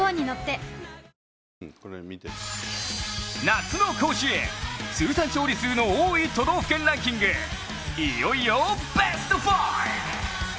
夏の甲子園、通算勝利数の多い都道府県ランキング、いよいよベスト５！